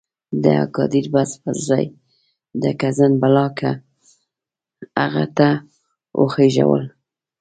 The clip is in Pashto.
د اګادیر بس پر ځای د کزنبلاکه هغه ته وخېژولو.